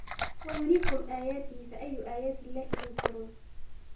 ويريكم آياته فأي آيات الله تنكرون